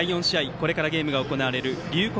これからゲームが行われる龍谷